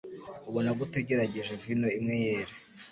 Ubona gute ugerageje vino imwe yera